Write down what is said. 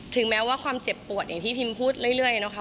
แม้ว่าความเจ็บปวดอย่างที่พิมพูดเรื่อยนะคะ